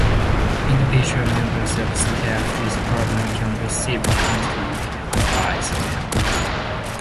Individual members of staff with problems can receive counselling, advice and help.